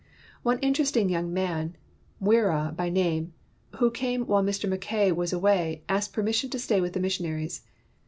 One interesting young man, Mwira by name, who came while Mr. Mackay was away, asked permission to stay with the mis sionaries.